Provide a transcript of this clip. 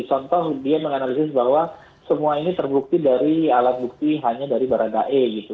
contoh dia menganalisis bahwa semua ini terbukti dari alat bukti hanya dari baradae gitu